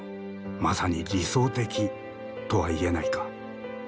まさに理想的とは言えないか？